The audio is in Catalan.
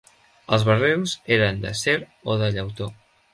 Els barrils eren d'acer o de llautó.